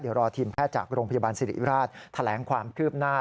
เดี๋ยวรอทีมแพทย์จากโรงพยาบาลสิริราชแถลงความคืบหน้า